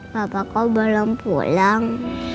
bapak kau belum pulang